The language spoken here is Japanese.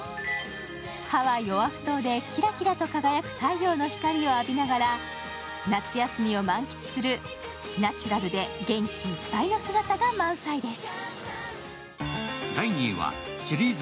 ハワイ・オアフ島でキラキラと輝く太陽の光を浴びながら夏休みを満喫するナチュラルで元気いっぱいの姿が満載です。